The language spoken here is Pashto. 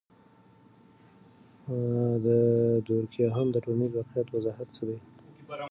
د دورکهايم د ټولنیز واقعیت وضاحت څه دی؟